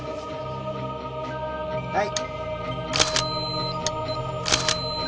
はい。